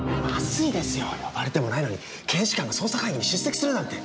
呼ばれてもないのに検視官が捜査会議に出席するなんて。